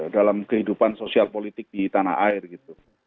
dalam kehidupan sosial politik di tanah air gitu